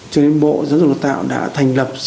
cho nên bộ dân dụng tạo đã thành lập